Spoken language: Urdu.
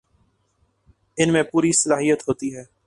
ان میں پوری صلاحیت ہوتی ہے